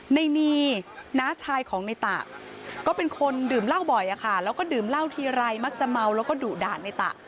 นีน้าชายของในตะก็เป็นคนดื่มเหล้าบ่อยอะค่ะแล้วก็ดื่มเหล้าทีไรมักจะเมาแล้วก็ดุด่าในตะ